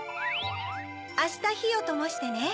あしたひをともしてね。